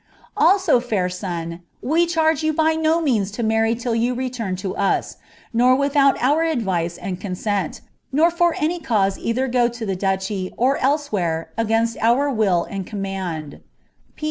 "Also Cair son, we charge you by no means to marry till you return to us, nor iliiout our advice and consent, nor for any cause either go to the duchy, or sewhere, against our will and command.